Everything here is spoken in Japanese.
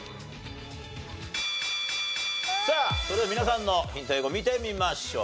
それでは皆さんのヒント英語見てみましょう。